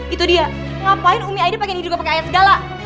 itu dia ngapain umi aida pengen nyindir gue pake ayat segala